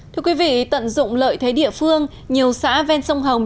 thưa quý vị tận dụng lợi thế địa phương nhiều xã ven sông hồng